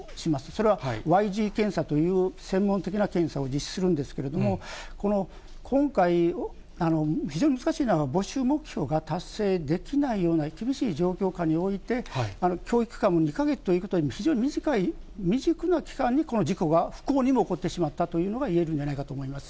それはＹＧ検査という専門的な検査を実施するんですけれども、この今回、非常に難しいのは、募集目標が達成できないような厳しい状況下において、教育期間も２か月という、非常に短い期間にこの事故が不幸にも起こってしまったというのがいえるんじゃないかと思います。